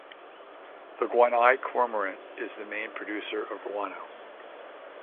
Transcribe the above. The Guanay cormorant is the main producer of guano.